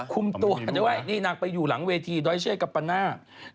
คุมตัวได้ว่านี่นางไปอยู่หลังเวทีดอยเช่กัปน่า